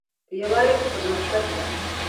په یووالي کې پرمختګ ده